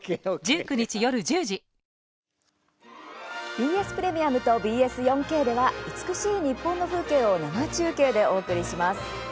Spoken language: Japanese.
ＢＳプレミアムとＢＳ４Ｋでは美しい日本の風景を生中継でお送りします。